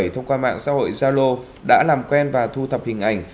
thông qua mạng xã hội zalo đã làm quen và thu thập hình ảnh